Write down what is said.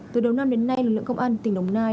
từ đầu năm đến nay lực lượng công an tỉnh đồng nai